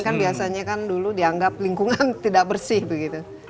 kan biasanya kan dulu dianggap lingkungan tidak bersih begitu